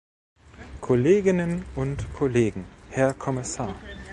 Kolleginnen und Kollegen, Herr Kommissar!